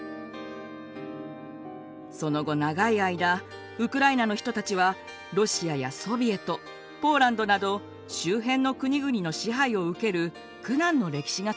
その後長い間ウクライナの人たちはロシアやソビエトポーランドなど周辺の国々の支配を受ける苦難の歴史が続きました。